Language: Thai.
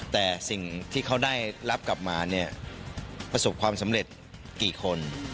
แต่สิ่งที่เขาได้รับกลับมาเนี่ยประสบความสำเร็จกี่คน